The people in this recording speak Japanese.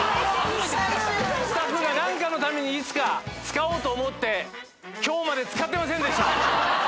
スタッフが何かのためにいつか使おうと思って今日まで使ってませんでした。